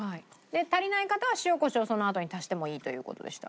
足りない方は塩コショウをそのあとに足してもいいという事でした。